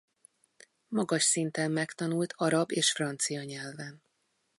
Magas szinten megtanult arab és francia nyelven.